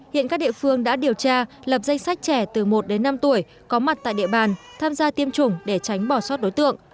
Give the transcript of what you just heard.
hiện các địa phương đã điều tra lập danh sách trẻ từ một đến năm tuổi có mặt tại địa bàn tham gia tiêm chủng để tránh bỏ sót đối tượng